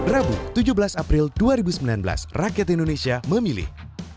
rabu tujuh belas april dua ribu sembilan belas rakyat indonesia memilih